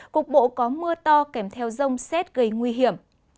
cục bộ có mưa to kèm theo rông xét gây nguy hiểm